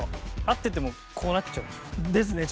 合っててもこうなっちゃう。ですね。